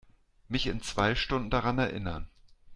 Mich in zwei Stunden daran erinnern.